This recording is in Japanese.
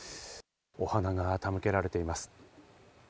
お花が手向けられています。